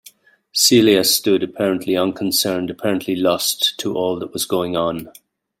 Celia stood apparently unconcerned, apparently lost to all that was going on.